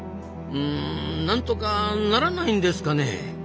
うんなんとかならないんですかねえ。